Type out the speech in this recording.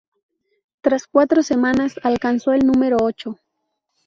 Tras cuatro semanas, alcanzó el número ocho.